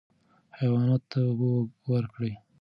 حیواناتو ته اوبه ورکړئ.